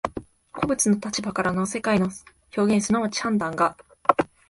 個物の立場からの世界の表現即ち判断が、